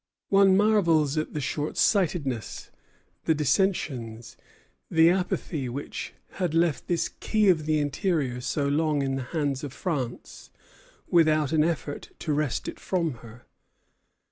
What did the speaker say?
One marvels at the short sightedness, the dissensions, the apathy which had left this key of the interior so long in the hands of France without an effort to wrest it from her.